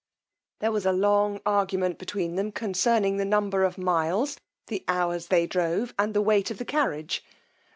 There was a long argument between them concerning the number of miles, the hours they drove, and the weight of the carriage.